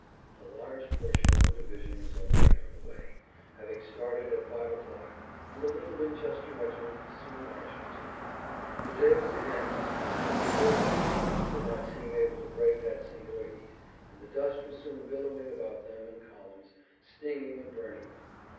A large portion of the division was already on the way, having started at five o'clock, and the little Winchester regiment was soon marching, too. The day was again hot. October, even, did not seem able to break that singular heat, and the dust was soon billowing about them in columns, stinging and burning them.